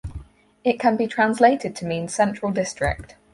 It can be translated to mean central district.